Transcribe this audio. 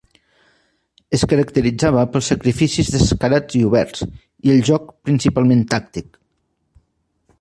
Es caracteritzava pels sacrificis descarats i oberts, i el joc principalment tàctic.